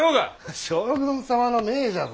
将軍様の命じゃぞ。